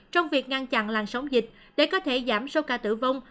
trong việc ngăn chặn làn sóng dịch để có thể giảm số ca tử vong